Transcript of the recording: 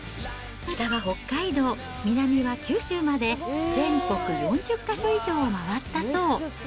北は北海道、南は九州まで、全国４０か所以上を回ったそう。